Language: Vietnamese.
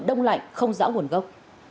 đông lạnh không rõ nguồn gốc